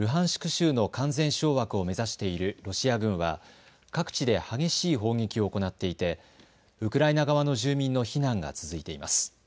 州の完全掌握を目指しているロシア軍は各地で激しい砲撃を行っていてウクライナ側の住民の避難が続いています。